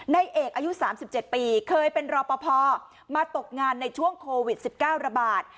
นายเอกอายุสามสิบเจ็ดปีเคยเป็นรอปภมาตกงานในช่วงโควิดสิบเก้าระบาท